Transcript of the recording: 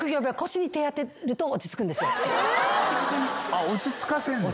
あっ落ち着かせんだ。